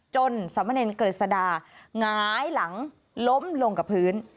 จนสามเมินเอนเกริษดาหงายหลังล้มลงกับพื้น